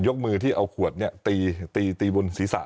ยกมือที่เอาขวดเนี้ยตีตีตีบนศรีษะอ่า